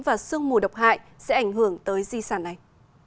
và sương mù độc hại sẽ ảnh hưởng tới di sản này